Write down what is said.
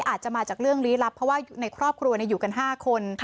อาจจะมาจากเรื่องลี้ลับเพราะว่าในครอบครัวอยู่กัน๕คน